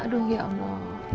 aduh ya allah